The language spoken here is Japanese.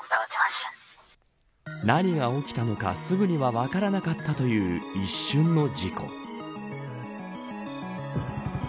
何が起きたのか、すぐには分からなかったという一瞬の事故。